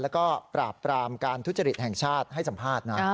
แล้วก็ปราบปรามการทุจริตแห่งชาติให้สัมภาษณ์นะ